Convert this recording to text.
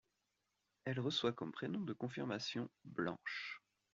Elle reçoit comme prénom de confirmation Blanche.